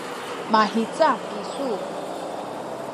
mahica kisu?